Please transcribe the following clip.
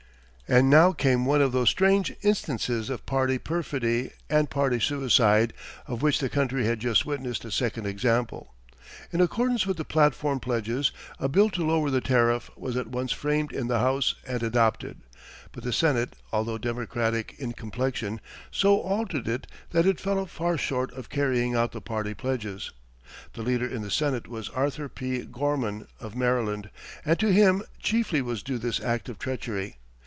And now came one of those strange instances of party perfidy and party suicide, of which the country has just witnessed a second example. In accordance with the platform pledges, a bill to lower the tariff was at once framed in the House and adopted; but the Senate, although Democratic in complexion, so altered it that it fell far short of carrying out the party pledges. The leader in the Senate was Arthur P. Gorman, of Maryland, and to him chiefly was due this act of treachery.